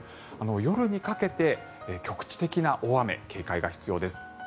夜にかけて局地的な大雨に警戒が必要です。